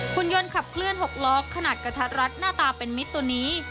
คุณยนต์ขับเคลื่อน๖ล้อขนาดกระทัดรัดหน้าตาเป็นมิตรตัวนี้